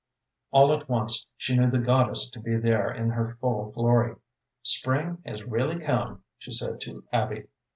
All at once she knew the goddess to be there in her whole glory. "Spring has really come," she said to Abby.